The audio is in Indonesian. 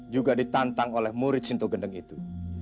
juga ditantang oleh murid sintu gendeng itu